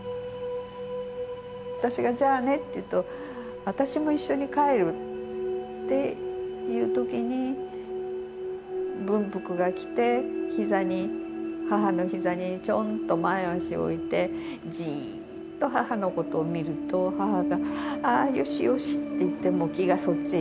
私が「じゃあね」って言うと「私も一緒に帰る」って言う時に文福が来て母の膝にちょんと前足を置いてじっと母のことを見ると母が「あよしよし」って言ってもう気がそっちへ行っちゃって。